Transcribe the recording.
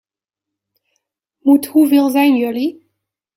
Moet hoeveel zijn jullie?